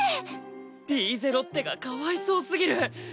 リーゼロッテがかわいそうすぎる。